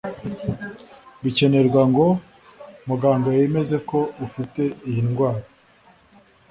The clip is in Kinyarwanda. bikenerwa ngo muganga yemeze ko ufite iyi ndwara